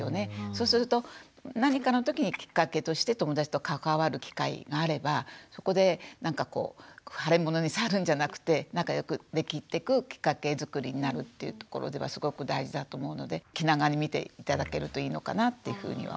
そうすると何かの時にきっかけとして友だちと関わる機会があればそこでなんかこう腫れ物に触るんじゃなくて仲良くできてくきっかけづくりになるというところではすごく大事だと思うので気長に見て頂けるといいのかなっていうふうには思います。